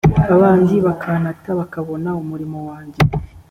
abanzi bakantata bakabona umurimo wanjye